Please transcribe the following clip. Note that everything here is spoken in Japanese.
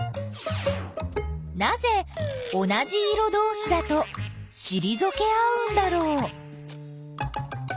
なぜ同じ色どうしだとしりぞけ合うんだろう？